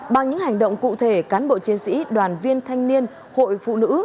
bằng những hành động cụ thể cán bộ chiến sĩ đoàn viên thanh niên hội phụ nữ